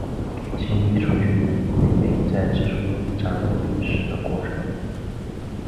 及女主角美美在制作炸肉饼时的过程。